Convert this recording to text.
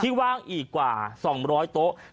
ที่ว้างอีกกว่า๒๐๐ตัว